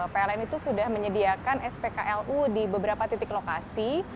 pln itu sudah menyediakan spklu di beberapa titik lokasi